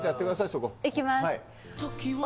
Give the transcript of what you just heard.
そこいきます